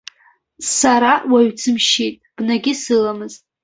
Сара уаҩ дсымшьит, бнагьы сыламызт.